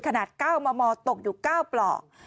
ขนาด๙มมตกอยู่๙ปลอก